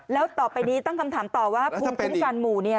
แล้วต่อไปนี้ตั้งคำถามต่อว่าภูมิคุ้มกันหมู่เนี่ย